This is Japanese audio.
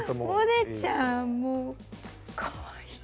萌音ちゃんもうかわいい。